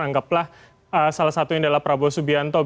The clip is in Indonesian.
anggaplah salah satu yang adalah prabowo subianto